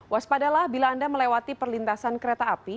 waspadalah bila anda melewati perlintasan kereta api